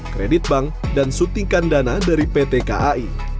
kredit bank dan suntikan dana dari pt kai